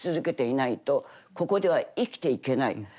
ここでは生きていけない。